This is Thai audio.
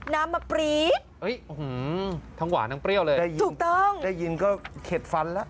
น้ำมะปรี๊ดโอ้โหทั้งหวานทั้งเปรี้ยวเลยถูกต้องได้ยินก็เข็ดฟันละ